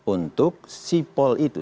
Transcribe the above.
untuk sipol itu